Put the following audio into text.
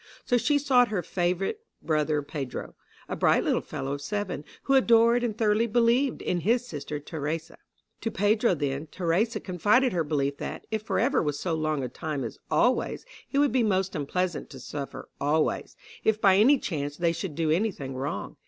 So she sought her favorite brother Pedro a bright little fellow of seven, who adored and thoroughly believed in his sister Theresa. To Pedro, then, Theresa confided her belief that, if forever was so long a time as "always," it would be most unpleasant to suffer "always," if by any chance they should do any thing wrong.